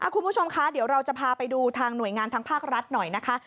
คุณผู้ชมคะเดี๋ยวเราจะพาไปดูทางหน่วยงานทางภาครัฐหน่อยนะคะ